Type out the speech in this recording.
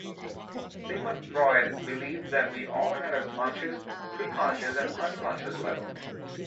Sigmund Freud believed that we all had a conscious, preconscious, and unconscious level.